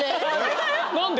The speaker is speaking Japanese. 何で？